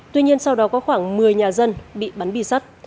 tuy nhiên sau đó có khoảng một mươi nhà dân bị bắn bi sắt